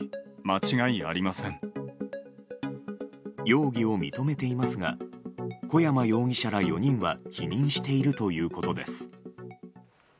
容疑を認めていますが小山容疑者ら４人は否認しているということです。